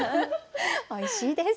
おいしいです。